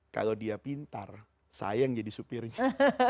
kalau dia pintar sayang jadi supirnya